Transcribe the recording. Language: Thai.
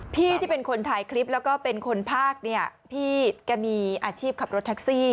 พี่ที่เป็นคนถ่ายคลิปแล้วก็เป็นคนภาคเนี่ยพี่แกมีอาชีพขับรถแท็กซี่